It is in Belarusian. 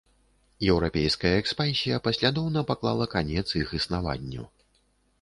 Еўрапейская экспансія паслядоўна паклала канец іх існаванню.